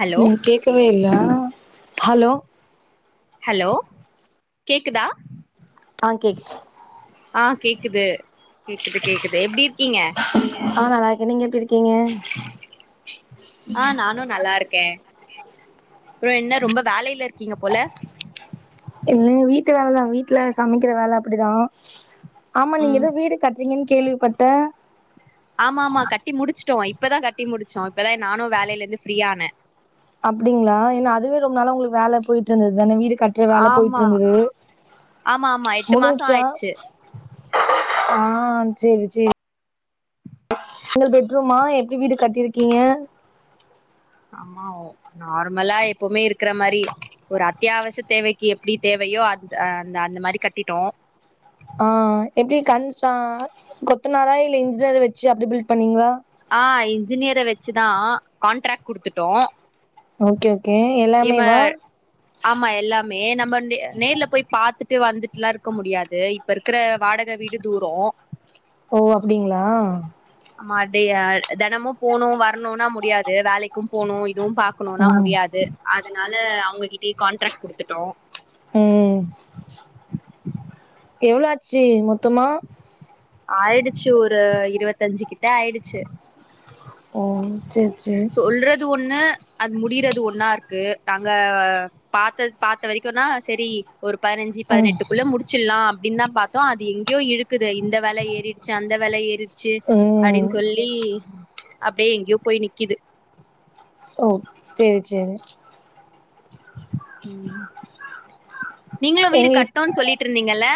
hello ம் கேக்கவே இல்ல ஹலோ ஹலோ கேக்குதா ஆ கேக் ஆ கேக்குது கேக்குது கேக்குது எப்டி இருக்கீங்க ஆ நல்லா இருக்கே நீங்க எப்டி இருக்கீங்க ஆ நானு நல்லாருக்கே அப்புற என்ன ரொம்ப வேலையில இருக்கீங்க போல இல்லங்க வீட்டு வேலதான் வீட்ல சமைக்கிற வேல அப்டிதா ஆமா நீங்க ம் ஏதோ வீடு கட்றீங்கன் கேள்விப்பட்ட ஆமா ஆமா கட்டி முடிச்சுட்டோ இப்பதா கட்டி முடிச்சோ இப்பதா நானு வேலைல இருந்து ஃப்ரீயான அப்டிங்ளா ஏன்னா அதுவே ரொம்ப நாள உங்களுக்கு வேல போயிட்டு இருந்தது தான வீடு கட் டி வேல போயிட்டு ஆமா இருந்தது ஆமா ஆமா எட்டு மாசோ முடிஞ்ச்சா ஆயிடுச்சு ஆ சேரி சேரி சிங்கிள் பெட்ரூமா எப்டி வீடு கட்டிருக்கீங்க ஆமா ஓ நார்மலா எப்பவுமே இருக்கற மாரி ஒரு அத்தியாவசிய தேவைக்கு எப்டி தேவையோ அ அந்த அந்த மாரி கட்டிட்டோ ஆ எப்டி கன்ஸ கொத்துநாரா இல்ல இன்ஜினியர் வச்சு அப்டி பில்ட் பண்ணீங்ளா ஆ இன்ஜினியர வச்சுதா கான்ட்ராக்ட் குடுத்துட்டோ ஓகே ஓகே எல்லாமே இவ வா ஆமா எல்லாமே நம்ம நேர்ல போய் பாத்துட்டு வந்துட்டுலா இருக்க முடியாது இப்ப இருக்கிற வாடக வீடு தூரோ ஓ அப்டிங்ளா ஆமா அப்டியே தெனமு போகணு வரணுனா முடியாது வேலைக்கு போகணு இதுவு பாக் அனுப்புணுனா ம் முடியாது அதனால அவுங்ககிட்டய காண்ட்ராக்ட் குடுத்துட்டோ ம் எவ்ளோ ஆச்சு மொத்தமா ஆயிடுச்சு ஒரு இருவத்தஞ்சு கிட்ட ஆயிடுச்சு ஓ சேர் சேரி சொல்றது ஒண்ணு அது முடியறது ஒன்னா இருக்கு நாங்க பாத்த பாத்த வரைக்குனா செரி ஒரு பதினஞ்சு ம் பதினெட்டுக்குள்ள முடிச்சிட்லா அப்டின்னு தா பாத் மதோ அது எங்கேயோ இழுக்குது இந்த வெல ஏறிடுச்சு அந்த வெல ஏறிடுச்சு ம் அப்டின் சொல்லி அப்டியே எங்கேயோ போய் நிக்குது ஓ செரி செரி ம் நீங்களு வீடு எங்க இப் கட்னுன் சொல்லிட்டு இருந்தீங்கல்ல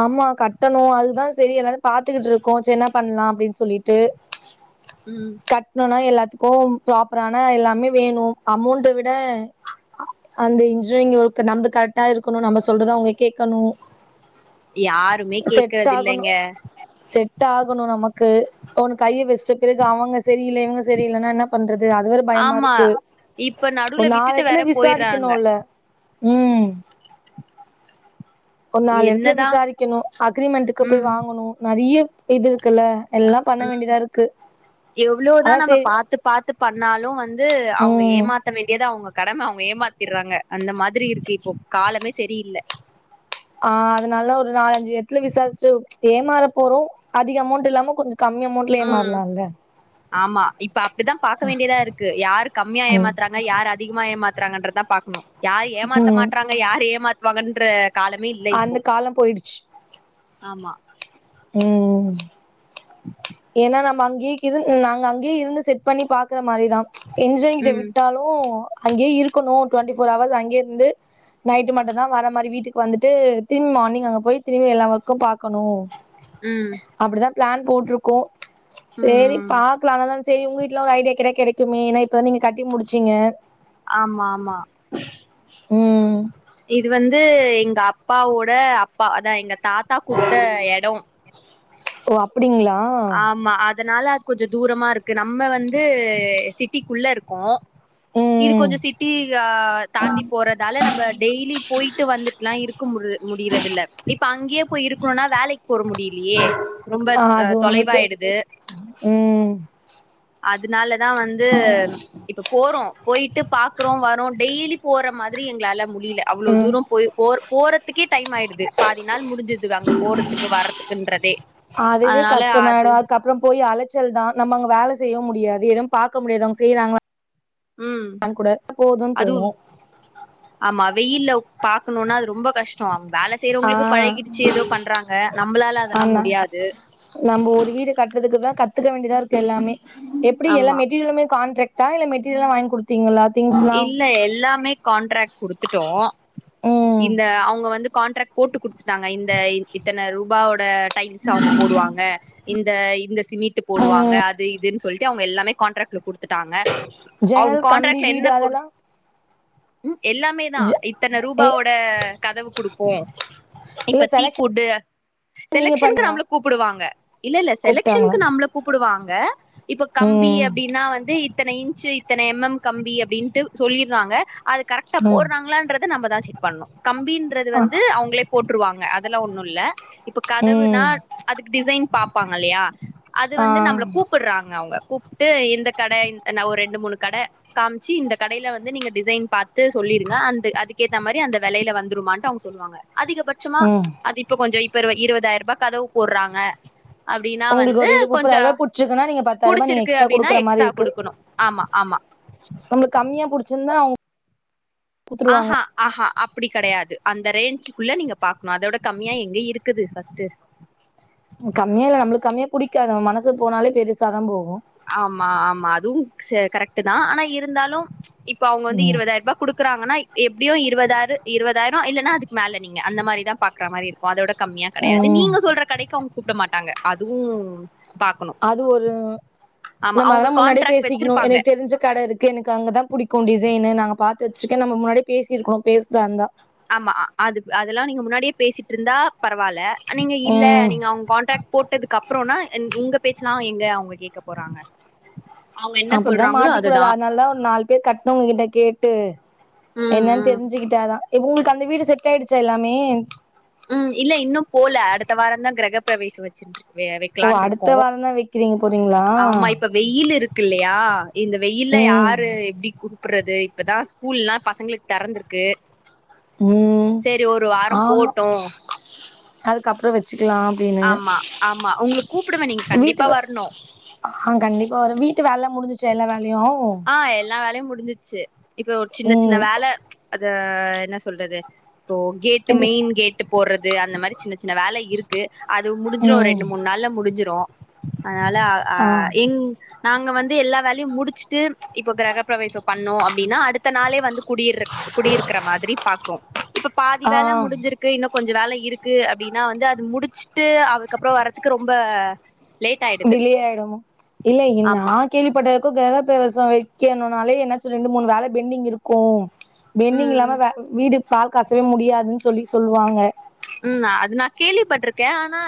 ஆமா கட்டணு அதுதா செரி என்னது பாத்துக்கிட்டு இருக்கோ செ என்ன பண்லா அப்டின் சொல்லிட்டு ம் கட்ணுனா எல்லாத்துக்கு ப்ராப்பரான எல்லாமே வேணு அமௌண்ட விட அந்த இன்ஜினியரிங் ஒர்க் நம்ப கரெக்டா இருக்கணு நம்ம சொல்றத அவுங்க கேட்கணு யார் செட் ஆகணு செட் ஆகணு நமக்கு ஒன்னு கைய வச்சிட்ட பிறகு அவங்க சரியில்ல இவங்க சரியில்லன்னா என்னப் பண்றது அதுவேற பயமா ஆமா இருக்கு இப்ப நடுவுல ஒரு நாலு விட்டுட்டு எடத்துல வேற போயிடுறாங்க விசாரிக்கணுல ம் ஒரு நாலு எடத்துல என்னதா விசாரிக்கணு அக்ரிமெண்ட்டுக்கு போய் ம் வாங்கணு நறைய இது இருக்குல்ல எல்லா பண்ண வேண்டிதா இருக்கு எவ்ளோதா அதா நம்ம செரி பாத்து பாத்து பண்ணாலு வந்து அவுங்க ம் ஏமாத்த வேண்டியது அவுங்க கடம அவுங்க ஏமாத்தடுறாங்க அந்த மாரி இருக்கு இப்போ காலமே சரியில்ல ஆ அதனால ஒரு நாலஞ்சு எடத்துல விசாரிச்சு ஏமாற போறோ அதிக அமௌண்ட்ல இல்லாம கொஞ்சோ கம்மி அமௌண்ட்ல ம் ஏமாறலாம்ல்ல ஆமா இப்ப அப்டிதா பாக்க வேண்டியதா இருக்கு யாரு கம்மியா ம் ஏமாத்தறாங் ஆன யார் அதிகமா ஏமாத்தறாங்கன்ற தா பாக்கணு யார் ஏமாத்த ம் மாற்றாங்க யார் ஏமாற்றுவாங்கன்ற காலமே இல்ல இப்போ அந்த காலம் போயிடுச்சு ஆமா ம் ஏன்னா நம்ம அங்கியே இருந் நாங்க அங்கேயே இருந்து செட் பண்ணி பாக்குற மாரிதா என்ஜினியர்ட்ட ம் விட்டாலு ஓ அங்கேயே இருக்கணு டுவெண்ட்டி ஃபோர் அவர்ஸ் அங்கயே இருந்து நைட்டு மட்டுதா வர மாரி வீட்டுக்கு வந்துட்டு திரும்பி மார்னிங் அங்க போய் திரும்பி எல்லா வொர்க்கு பாக்கணு ம் அப்டிதா பிளான் போட்டிருக்கோ செரி ம் பாக்கலானு தா செரி உங்கிட்டெல்லா ஒரு ஐடியா கேட்டா கிடைக்குமே ஏன்னா இப்பதா நீங்க கட்டி முடிச்சீங்க ஆமா ஆமா ம் இது வந்து எங்க அப்பாவோட அப்பா அதா எங்க தாத்தா குடுத்த எடோ ஓ அப்டிங்களா ம்மா அதனால அ கொஞ்சோ தூரமா இருக்கு நம்ம வந்து சிட்டிக்குள்ள இருக்கோ ம் இது கொஞ்சோ சிட்டி யா தாண்டி போறதால நம்ம டெய்லி போயிட்டு வந்துட்லா இருக் க முடிற முடியறதில் இப்ப அங்கயே போய் இருக்கணும்னா வேலைக்கு போற முடியிலியே ரொம்ப ஒன்னு இருக்கு தொலைவாயிடுது ம் ம் அதனாலதா வந்து இப்ப போறோ போய்ட்டு பாக்குறோ வரோ டெய்லி போற மாரி எங்களால முடியில அவ்வளோ ம் தூரோ போய் போ போறதுக்கே டைம் ஆயிடுது பாதி நாள் முடிஞ்சுதுவே அங்க போறதுக்கு வர்துக்குன்றதே அதனால அது மிச்சமாயிடு அதுக்கப்பறோ போய் அலச்சல் தா நம்ம அவுங்க வேல செய்யவு முடியாது எதுவு பாக்க முடியாது அவுங்க செய்றாங்களா ம் லன்கூட போதுன் தோணு அதுவும் ஆமா வெய்யில்ல பாக்குணுனா அது ரொம்ப கஷ் டோ அவுங்க வேல ஆ செய்றவங்களுக்கு பழகிடுச்சு ஏதோ பண்றாங்க நம்பளால அதெல்லா முடியாது நம்ப ஒரு வீடு கட்டுறதுக்கு தா கத்துக்க வேண்டியதா இருக்கு எல்லாமே எப்டி எல்லா ஆமா மெட்டீரியலுமே கான்ட்ராக்ட் டா இல்ல மெட்டீரியல்லா வாங் குடுத் தீங்களா திங்கஸ் இல்ல எல்லாமே கண்ட்ராக்ட் கொடுத்துட்டோ ம் இந்த அவுங்க வந்து கான்ட்ராக்ட் போட்டு குடுத்து ட்டாங்க இந்த இத்தன ரூபாவோட டைல்ஸ் அவுங்க போடுவா வாங்க இந்த இந்த சிமிட்டு போடுவாங்க ம் அது இதுன்னு சொல்லிட்டு அவுங்க எல்லாமே கான்ட்ராக்ட் [unintelligible] குடுத்துட்டாங்க அவுங்க ஜன்னல் கம்பி கான்ட்ராக்ட்ல என்ன வீடு அதெல்லா ம் எல்லாமேதா ஜ இத்தன இல்ல ரூபாவோட கதவு குடுப்போ இல்ல இப்ப தீ செலக்ஷன் குடு நீங்க செலெக்ஷன்க்கு பண்ணீங்களா நம்ள கூப்புடுவாங்க இல்ல இல்ல கூப்ட்டாங்களா செலக்ஷன்க்கு நம்ள கூப்புடுவாங்க இப்போ கம்பி ம் அப்டினா வந்து இ த்தன இன்ச்சு இத்தன எம் எம் கம்பி அப்டின்ட்டு சொல்லிர்றாங்க அது கரெக்டா ம் போட்றாங்களான்ற து நம்மதா செக் பண்ணூ கம்பீன்றது ஆ வந்து அவுங்ளே போட்ருவாங்க அதலா ஒன்னுல்ல இப்ப கதவுனா ம் அதுக்கு டிசைன் பாப்பாங்க இல்லையா அது வந்து நம்ப்ள கூ ஆ ப்புறாங்க அவுங்க கூப்ட்டு இந்த கட இந் நா ஒரு ரெண்டு மூணு கட காம்ச்சு இந்த கடைல வந்து நீங்க டிசைன் பாத்து சொல்லிருங்க அந்து அதுக்கேத்த மாரி அந்த வெலைல வந்துருமான்ட்டு அவ்ங் சொல்வாங்க அதிகபட்சமா ம் அது இப்போ கொஞ்சோ இப்பருவ இருவதாய்ர்பா கதவு போட்றாங்க அப்டினா உங்களுக்கு வந்து ஒரு இரு கொஞ்சா முப்பதாயிரூபா புடிச்சிருக்குன்னா நீங்க பத்தாயிரூபா நீங்க புடிச்சிருக்கு எக்ஸ்ட்ரா அப்டினா எக்ஸ்ட்ரா குடுக்குணு ஆமா ஆமா நம்ளுக் கம்மியா புடிச்சிர்ந்தா அவு ஆ ஹா ஆ ஹா அப்டி கெடையாது அந்த ரேஞ்சுகுள்ள நீங்க பாக்ணு அதோட கம்மியா எங்க இருக்குது ஃபஸ்ட்டு கம்யால நம்ளுக் கம்யா புடிக்காத மனசு போனாலே பெருசாதா போகு ஆமா ஆமா அதுவு சே கரெக்ட்டுதா ஆனா இருந்தாலு இப்ப அவ்ங்க வந்து இருவதாய்ர்பா குடுக்குறாங்கனா எப்டியு இருவதாரு இருவதாய்ரோ இல்லனா அதுக்கு மேல நீங்க அந்த மாரிதா பாக்றா மாரி இரு கு அதோட கம்மியா கெடையாது ம் நீங்க சொல்ற கடைக்கு அவ்ங் கூப்ட மாட்டாங்க அதுவு பாக்கணு அது ஒரு ஆமா நம்ம அதலா அவங்க முன்னாடியே கான்ட்ராக்ட் பேசிக்கிணு வச்சிருப்பாங்க எனக்கு தெரிஞ்ச கட இருக் கு எனக்கு அங்கதா புடிக்கு டிசைனு நாங்க பாத்து வச்ருக்கே நம்ம முன்னாடியே பேசிருக்குணு பேசஸ்தா இர்ந்தா ஆமா அது அதலா நீங்க முன்னாடியே பேசிட்ருந்தா பரவால்ல நீங்க இல்ல ம் நீங்க அவ்ங் கான்ட்ராக்ட் போட்டதுக்கு அப்றோனா என் உங்க பேச்சுலா எங்க அவ்ங்க கேக்க போறாங்க அவங்க என்ன அப்புடிதா சொல்றாங்களோ மாட்டிக்கூடாது அதுதா அதுனால்தா ஒரு நால் பேர் கட்னவ்ங்க கிட்ட கேட்டு ம் என்னன் ம் தெர்ஞ்சுகிட் டாதா எ உங்ளுக்கு அந்த வீடு செட் ஆய்டுச்சா எல்லாமே ம் இல்ல இன்னு போல அடுத்த வாரந்தான் கிரகப்பிரவேசு வச்சின்ட்ருவே வெக்லான்ட்ருக்கோ போறீங்ளா ஆமா இப்ப வெயில் இருக்கு இல்லையா இந்த வெயில்ல ம் யாரு எப்டி கூ ப்புறது இப்பதா ஸ்கூல்லா பசங்ளுக் தெறந்திருக்கு சேரி ஒரு வாரோ போட்டு அதுக்கப்றோ வச்சுக்குலா ஆமா ஆமா உங்ளு கூப்புடுவே நீங்க் வீட்டு கண்டிப்பா வே வர்ணு ஆ கண்டிப்பா வர வீட்டு வேல்லா முடிஞ்சுசா எல்லா வேல்யு ஆ எல்லா வேலயு முடிஞ்சிச்சு இப்ப ஒரு சின்ன சின்ன ம் வேல அத என்ன சொல்றது இப்போ கேட் எந்து மெயின் கேட் டு போறது அந்த மாரி சின்ன சின்ன வேல இருக்கு அது முடிஞ்சிரு ஒர் ம் ரெண்டு மூண் நாள்ல முடிஞ்சிரு அதுனால அ ஆ இங் நாங்க வந்து எல்லா வேல்யு முடி ச்ட்டு இப்போ கிரகபிரவேசோ பண்ணோ அப்டினா அடுத்த நாளே வந்து குடியிர்ற குடியிருக்கிற மாதிரி பாக்றோ இப்ப பாதி ஆ வேல முடிஞ்சிரு க்கு இன்னு கொஞ்சு வேல இருக்கு அப்டினா வந்து அது முடிச்ட்டு அதுக்கப்றோ வர்றதுக்கு ரொம்ப லேட் ஆயிடுது டிலே ஆய்டுமோ இல்லகின்னா ஆமா கேள்விப்பட்டவர்க்கு கிரகப்பிரவேசோ வைக்கணுனாலே என்னாச்சு ரெண்டு மூணு வேல பெண்டிங் இருக்கு பெண்டிங் ம் இல்லாம வே வீடு பால் காசவே முடியாதுன் சொல்லி சொல்வாங்க ம் நா அது நா கேள்விப்பட்ருக்கே ஆனா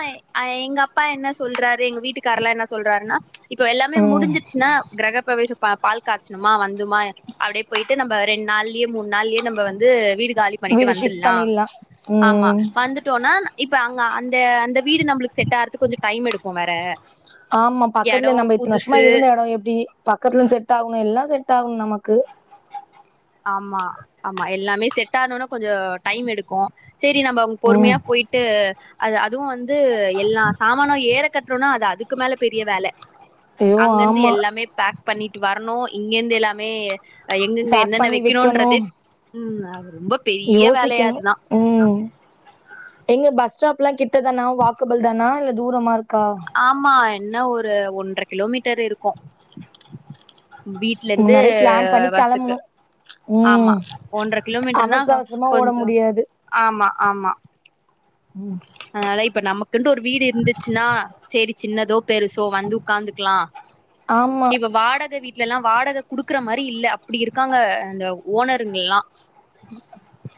அ எங்கப்பா என்ன சொல்றாரு எங்க வீட்டுகார்லா என்ன சொல்றாருனா இப்போ எல்லாமே ம் முடிஞ்சிர்ச்சுனா கிரகபிரவேச பால் காய்ச்சணுமா வந்துமா அப்டியே போய்ட்டு நம்ம ரெண்டு நாள்லயே மூணு நாள்லயே நம்ம வீட காலிப் பண்ணிட்டு வீடு ஷிஃப்ட் வந்துருலாம் பண்ணிடலா ஆமா ம் வந்துட்டோம்னா இப்ப அங்க அந்த அந்த வீடு நம்மளுக்கு செட் ஆறதுக்கு கொஞ்சோ டைம் எடுக்கும் வேற ஆமா எடோ பக்கத்துல நம்ம இத்தன வருஷமா புதுசு இருந்த எடம் எப்டி பக்கத்துல செட் ஆகணும் எல்லா செட் ஆகணும் நமக்கு ஆமா ஆமா எல்லாமே செட் ஆனுன்னு கொஞ்சோ டைம் எடுக்கும் சேரி நம்ம பொறுமையா ம் போய்ட் ட்டு அது அதுவும் வந்து எல்லாம் சாமானும் ஏற கட்றோனா அது அதுக்கு மேல பெரிய வேல ஐயோ அங்கெந்து ஆமா எல்லாமே பேக் பண்ணிட்டு வரணு இங்கெந்து எல்லாமே அ எங்கெங்க பேக் என்னென்ன பண்ணி வெக்கணு வெக்கணுன்றதே ம் அது ரொம்ப பெரிய வேலயா யோசிக்கணு அதுதா ம் எங்க பஸ் ஸ்டாப்லா கிட்டதானா வாக்கபல் தானா இல்ல தூரமா இருக்கா ஆமா என்ன ஒரு ஒன்ற கிலோமீட்டர் இருக்கு வீட்லந்து முன்னாடியே பிளான் பண்ணி பஸ்ஸுக்கு கெளம்பணு ஆமா ம் ஒன்ற கிலோமீட்ருனா அவசர அவசரமா கொஞ்சோ ஆமா ஆமா ம் அனால இப்ப நம்மக்கிண்டு ஒரு வீடு இருந்துச்சுன்னா செரி சின்னதோ பெருசோ வந்து ஒக்காந்துக்லா ஆமா இப்ப வாடக வீ ட்லலா வாடக குடுக்குற மாரி இல்ல அப்டி இருக்காங்க அந்த ஓனருங்கல்லாம்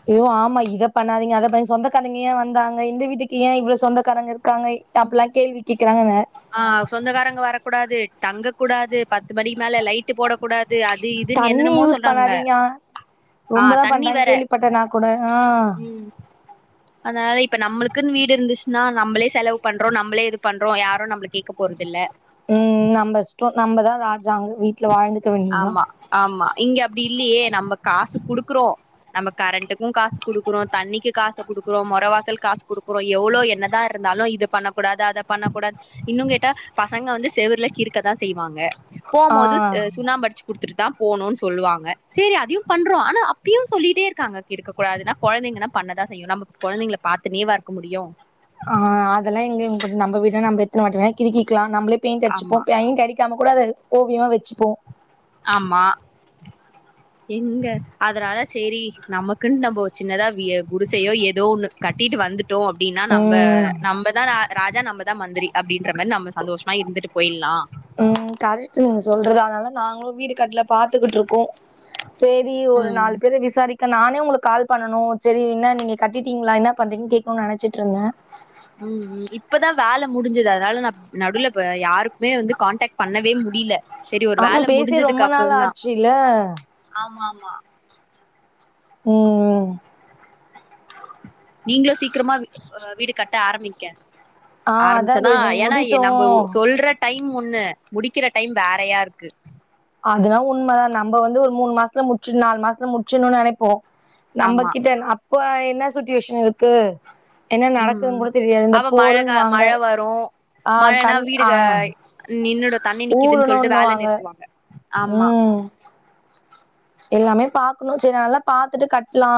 அய்யோ ஆமா இத பண்ணாதீங்க அத பன் சொந்தக்காரங்க ஏ வந்தாங்க இந்த வீட்டுக்கு ஏ இவ்ளோ சொந்தக்காரங்க இரு க்காங்க அப்பிலா கேள்வி கேக்குறாங்கங்க ஆ சொந்தக்காரங்க வரக் கூடாது தங்க கூடாது பத்து மணிக்கு மேல லைட் ட்டு போட கூடாது அது இதுனு தண்ணி என்னெனமோ யூஸ் சொல்றாங்க பண்ணாதீங்க ஆ ரொம்பதா தண்ணி பண்றாங்கன்னு வேற கேள்விப்பட்டேன் நா கூட ஆ அனால இப்ப நம்மளுக்குன்னு வீடு இருந்துச்சுனா நம்ளே செலவு பண்றோ நம்ளே இது பண்றோ யாரு நம்ள கேக்க போறதில்ல ம் நம்ப இஸ்டோ நம்ப தா ராஜாங் வீட்ல வாழ்ந்துக்க வேண்டியதுதா ஆமா ஆமா இங்க அப்டி இல்லியே நம்ப காசு குடுக்குறோ நம்ம கரண்ட்டுக்கு காசு குடுக்குறோ தண்ணிக்கு காசு குடுக்குறோ மொற வாசல் காசு குடுக்குறோ எவ்ளோ என்னத் தா இருந்தாலு இது பண்ணக்கூடாது அத பண்ணக்கூடாது இன்னு கேட்டா பசங்க வந்து செவுருல கிறுக்க தா செய்வாங்க போ ஆ போது எ சுண்ணாம்பு அடிச்சு குடுத்துட்டு தா போன்னு சொல்லுவாங்க சேரி அதயு பண்றோ ஆனா அப்யு சொல்லிட்டேருக்காங்க கிறுக்க கூடாதுன்னா கொழந்தைங்கனா பண்ணதா செய்யு நம்ம கொழந்தைங்கள பாத்துனேவா இருக்க முடியு ஆ அதெல்லா எங்க இவுங்கொஞ்சோ நம்பவீடுனா நம்ப எத்னவாட்டிவேணா கிறிக்கிலா நம்ளே பெயிண்ட்டச்சுப்போ ஆமா பெயிண்ட்டடிக் க்காம கூட அத ஓவியமா வச்சுப்போ ஆமா எங்க அதனால சேரி நமக்குன்னு நம்ப ஒரு சின்னதா வீ ய குடிசயோ ஏதோ ஒன்னு கட்டிட்டு வந்துட்டோ அப்டின்னா நம்ப ம் நம்பதா ரா ராஜா நம்பதா மந்திரி அப்டின்ற மாரி நம்ப சந்தோஷமா இருந்துட்டு போய்ல்லா ம் கரெக்ட்டு நீங்க சொல்றது அதனால நாங்களு வீடு கட்ல பாத்துகிட்டுருக்கோ சேரி ஒரு ம் நாலு பேர விசாரி க்க நானே உங்களுக்கு கால் பண்ணணு சேரி என்ன நீங்க கட்டிட்டீங்களா என்ன பண்றீங்கனு கேக்ணுனு நெனச்சிட்ருந்தே ம் ம் இப்ப தா வேல முடிஞ்சது அதனால நா‌ நடுல இப்ப யாருக்குமே வந்து கான்டக்ட் பண்ணவே முடில சேரி ஒரு ஆமா வேல பேசி ரொம்ப முடிஞ்சதுக்கப்றோ நாள் தா ஆச்சுல்ல ஆமாம்மா ம் ம் நீங்களு சீக்ரமா அ வீடு கட்ட ஆரம்பிங்க ஆ அதா தோ ஆரம்பிச்சாதா இது ஏனா முடிட்டு எ நம்ப சொல்ற டைம் ஒண்ணு முடிக்கிற டைம் வேறயாருக்கு அதுனா உண்ம நம்ப வந்து ஒரு மூணு மாசத்துல முச்சு நாலு மாசத்துல முச்சுணுனு நெனைப்போ ஆமா நம்மகிட்ட என்ன அப்ப என்ன சிச்சுவேஷன் இர்க்கு ம் ம் அப்ப மழக்கா போருன்னுவாங்க மழ வரு ஆ மழனா தண் ஆ வீடுக நின்னுடு தண்ணி நிக்கிதுன் சொல்ட்டு வேல ஊறணுன்னுவாங்க நிற்த்துவாங்க ஆமா ம் எல்லாமே பாக்கணு சேரி நல்லா பாத்துட்டு கட்லா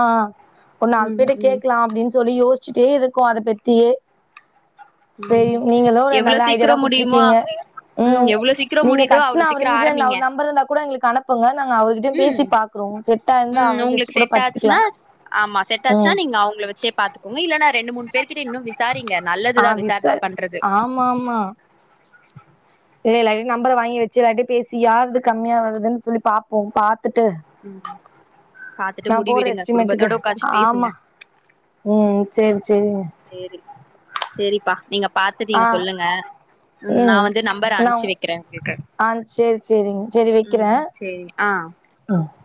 ஒர் நாலு ம் பேர்ட்ட ம் கேக்கலா அப்டின் சொல்லி யோச்சுட்டேரிக்கோ அத பத்தியே சேரி ம் நீங்களு ஒரு எவ்ளோ நல்ல ஐடியா சீக்கிரோ தா முடியுமோ குட்த்துருக்கீங்க ம் எவ்ளோ சீக்கிரோ நீங்க முடியுதோ கட்னா அவ்ளோ அவர் சீக்கிரோ இன்ஜ்ஜின் ஆரம்பிங்க அவுரு நம்பருந்தா கூட எங்ளுக்கு அனுப்புங்க நாங்க அவுருக்கிட் யு பேசி ம் பாக்குறோ செட்டாயிந்தா ம் அவர வெ ச்சு உங்களுக்கு கூட செட் பாத்துக்லா ஆச்சுன்னா ஆமா செட் ஆச்சுனா நீங்க அவுங்கள வெச்சே பாத்துக்கோங்க இல்ல நா ரெண்டு மூணு பேர்கிட்ட இன்னு விசாரிங்க ஆ நல்லதுதா விசா ரிச்சு விசாரி பண்றது ஆமா ஆமா இல்ல எல்லார்கிட்யு நம்பர வாங்கி வெச்சு எல்லார்ட்யு பேசி‌ யாரு து கம்மியா வருதுன் சொல்லி பாப்போ பாத்துட்டு ம் பாத்துட்டு நா போற முடிவெடுங்க குடும்பத்தோட எஸ்டிமேட்டுக்கு உக்காஞ்சி பேசுங்க ஆமா ம் சேரி சேரிங்க சேரி சேரிப்பா நீங்க பாத்து நீங்க ஆ சொல்லுங்க ம் நா வந்து நம்பர் நா அன்ப்ச்சு வெக்கிற உங்களுக்கு ஆ சேரி சேரிங்க ம் செரிங்க அ அ